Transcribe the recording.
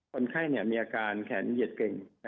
คนไข้มีอาการแขนเหยียดเก่ง